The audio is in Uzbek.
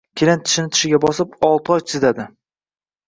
Kelin tishini tishiga bosib, olti oy chidadi